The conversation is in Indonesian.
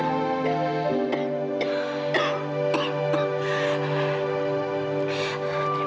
terima kasih non